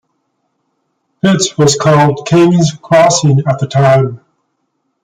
Pitts was called Kings' Crossing at the time.